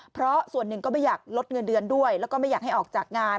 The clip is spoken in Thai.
เพราะส่วนหนึ่งก็ไม่อยากลดเงินเดือนด้วยแล้วก็ไม่อยากให้ออกจากงาน